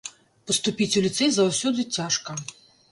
Паступіць у ліцэй заўсёды цяжка.